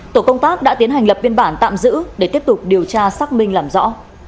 tổ công tác đã tiến hành lập biên bản tạm giữ để tiếp tục điều tra xác minh làm rõ